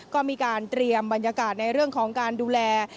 ก็มีการเตรียมบรรยากาศในเรื่องของการดูแล